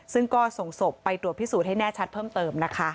ซึ่งก็ส่งศพไปตรวจพิสูจน์ให้แน่ชัดเพิ่มเติมนะคะ